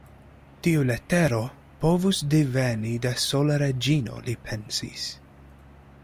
Tiu letero povus deveni de sola Reĝino, li pensis.